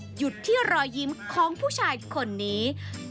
หยุดที่รอยยิ้มของผู้ชายคนนี้